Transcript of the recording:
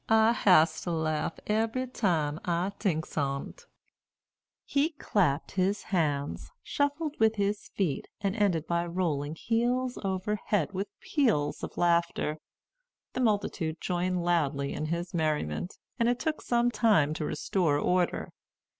I has to laugh ebery time I tinks on't." He clapped his hands, shuffled with his feet, and ended by rolling heels over head, with peals of laughter. The multitude joined loudly in his merriment, and it took some time to restore order.